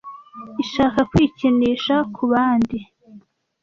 ishaka kwikinisha kubandi: